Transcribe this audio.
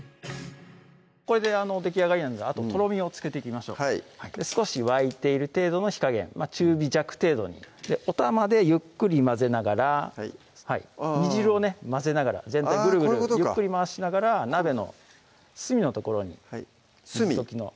これでできあがりなのであととろみをつけていきましょう少し沸いている程度の火加減中火弱程度におたまでゆっくり混ぜながらはい煮汁をね混ぜながら全体ぐるぐるゆっくり回しながら鍋の隅の所に隅？